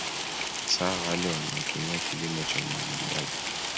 Hasa wale wanao tumia kilimo cha umwagiliaji